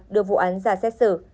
đưa vụ án ra xét xử